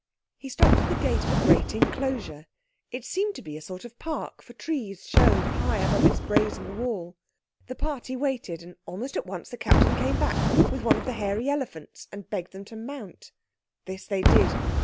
He stopped at the gate of a great enclosure. It seemed to be a sort of park, for trees showed high above its brazen wall. The party waited, and almost at once the Captain came back with one of the hairy elephants and begged them to mount. This they did.